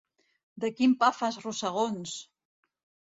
De quin pa fas rosegons!